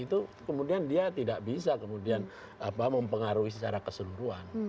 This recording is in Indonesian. itu kemudian dia tidak bisa kemudian mempengaruhi secara keseluruhan